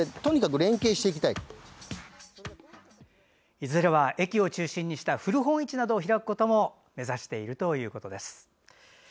いずれは、駅を中心にした古本市などを開くことも目指しているということです。